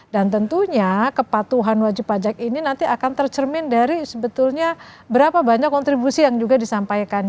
tentunya kepatuhan wajib pajak ini nanti akan tercermin dari sebetulnya berapa banyak kontribusi yang juga disampaikan